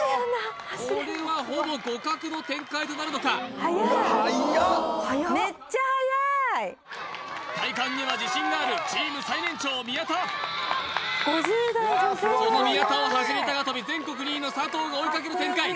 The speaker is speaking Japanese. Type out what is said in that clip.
これはほぼ互角の展開となるのかはやっ体幹には自信があるチーム最年長宮田その宮田を走り高跳び全国２位の佐藤が追いかける展開